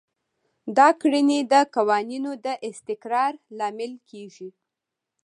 دا کړنې د قوانینو د استقرار لامل کیږي.